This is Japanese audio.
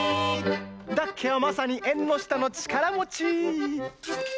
ダッケはまさに「えんのしたのちからもち」！